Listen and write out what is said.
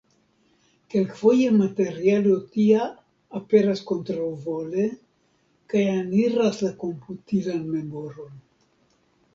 Kelkfoje materialo tia aperas kontraŭvole kaj eniras la komputilan memoron.